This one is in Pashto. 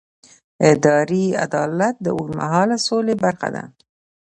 اداري عدالت د اوږدمهاله سولې برخه ده